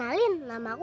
ini kan berbunyi